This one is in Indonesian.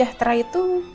jauh ya dari kantor aku